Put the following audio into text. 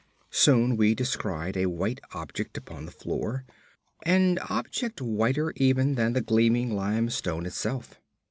Soon we descried a white object upon the floor, an object whiter even than the gleaming limestone itself.